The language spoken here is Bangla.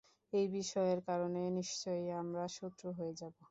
এই বিষয়ের কারণে নিশ্চয়ই আমরা শত্রু হয়ে যাব না।